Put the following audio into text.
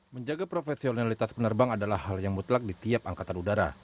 menjaga profesionalitas penerbang adalah hal yang mutlak di tiap angkatan udara